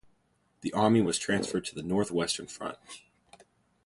The army was transferred to the North-Western Front.